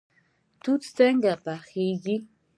توت څنګه پخیږي؟